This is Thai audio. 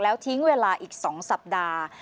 แล้วทิ้งเวลาอีก๒สัปดาห์